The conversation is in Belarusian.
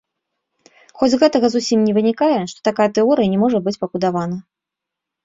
Хоць з гэтага зусім не вынікае, што такая тэорыя не можа быць пабудавана.